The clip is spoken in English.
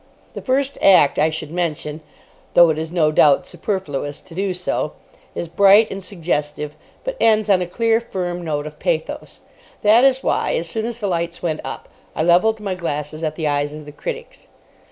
The first act, I should mention (though it is no doubt superfluous to do so) is bright and suggestive, but ends on a clear, firm note of pathos. That is why, as soon as the lights went up, I levelled my glasses at the eyes of the critics.